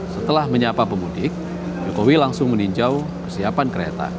setelah menyapa pemudik jokowi langsung meninjau persiapan kereta